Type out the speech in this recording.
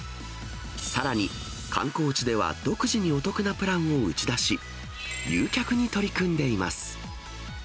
さらに観光地では、独自にお得なプランを打ち出し、誘客に取り組んでいます。